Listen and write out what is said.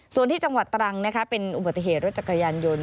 ส่วนที่จังหวัดตรังเป็นอุบัติเหตุรถจักรยานยนต์